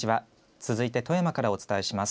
続いて富山からお伝えします。